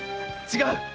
違う。